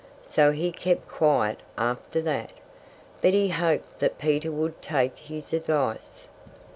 So he kept quiet after that. But he hoped that Peter would take his advice.